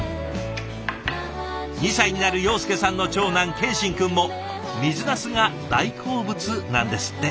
２歳になる庸介さんの長男健心くんも水なすが大好物なんですって。